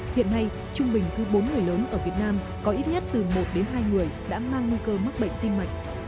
hiện nay trung bình cứ bốn người lớn ở việt nam có ít nhất từ một đến hai người đã mang nguy cơ mắc bệnh tim mạch